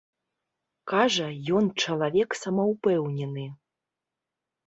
Кажа, ён чалавек самаўпэўнены.